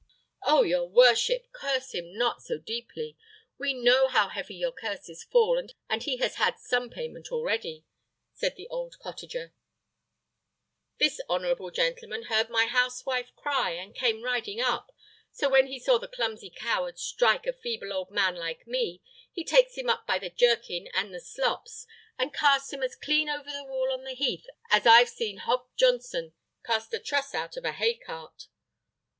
"Oh! your worship, curse him not so deeply; we know how heavy your curses fall, and he has had some payment already," said the old cottager: "this honourable gentleman heard my housewife cry, and came riding up. So, when he saw the clumsy coward strike a feeble old man like me, he takes him up by the jerkin and the slops, and casts him as clean over the wall on the heath as I've seen Hob Johnson cast a truss out of a hay cart."